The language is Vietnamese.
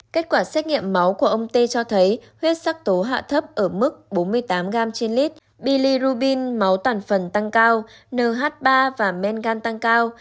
kết quả xét nghiệm máu của ông t cho thấy huyết sắc tố hạ thấp ở mức bốn mươi tám gram trên lít bilirubin máu toàn phần tăng cao nh ba và mengan tăng cao